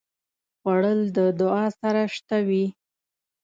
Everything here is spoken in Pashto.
خوړل د دعا سره شته وي